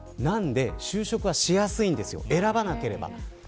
なので、就職はしやすいんです選ばなければ。